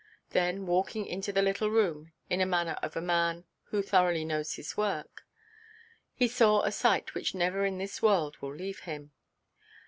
Then walking into the little room, in the manner of a man who thoroughly knows his work, he saw a sight which never in this world will leave him.